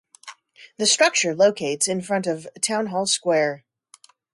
The structure locates in front of Town Hall Square.